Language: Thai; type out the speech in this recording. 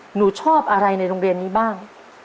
หนูชอบอะไรในโรงเรียนนี้บ้าง